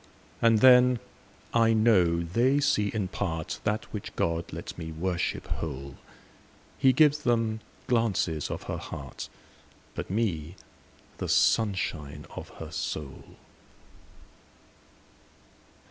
And then I know they see in partThat which God lets me worship whole:He gives them glances of her heart, But me, the sunshine of her soul.